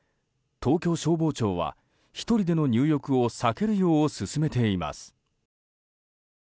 東京消防庁は１人での入浴を避けるよう勧めています。